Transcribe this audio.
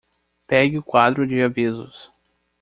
Pegue o quadro de avisos!